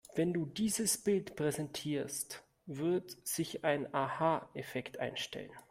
Wenn du dieses Bild präsentierst, wird sich ein Aha-Effekt einstellen.